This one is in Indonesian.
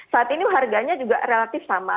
saat ini harganya juga relatif sama